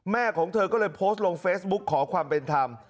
ของเธอก็เลยโพสต์ลงเฟซบุ๊กขอความเป็นธรรม